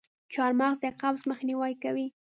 چارمغز د قبض مخنیوی کوي.